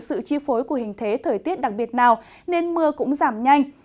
sự chi phối của hình thế thời tiết đặc biệt nào nên mưa cũng giảm nhanh